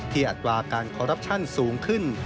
ที่อัดวาลการคอรับชั่นสูงขึ้น